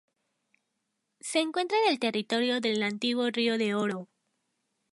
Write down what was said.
Se encuentra en el territorio del antiguo Río de Oro.